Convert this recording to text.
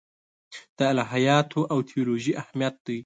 د الهیاتو او تیولوژي اهمیت دی.